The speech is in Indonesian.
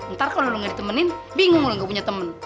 ntar kalau lo gak ditemenin bingung lo gak punya temen